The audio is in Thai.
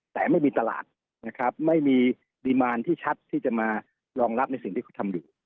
แต่ไม่มีตลาดนะครับไม่มีปริมาณที่ชัดที่จะมารองรับในสิ่งที่เขาทำอยู่